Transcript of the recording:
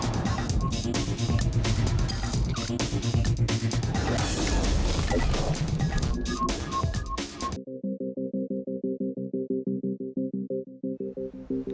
มุมทรัพย์ที่ประเภทไทย